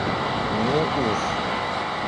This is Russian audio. Ну уж!